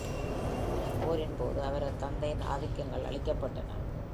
போரின் போது அவரது தந்தையின் ஆதிக்கங்கள் அழிக்கப்பட்டன.